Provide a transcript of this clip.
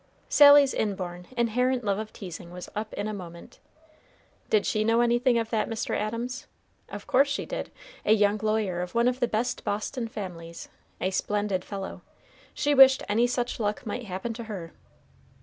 Sally's inborn, inherent love of teasing was up in a moment. Did she know anything of that Mr. Adams? Of course she did, a young lawyer of one of the best Boston families, a splendid fellow; she wished any such luck might happen to her!